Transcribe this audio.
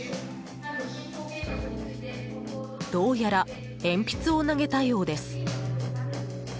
どうやら鉛筆を投げたようです。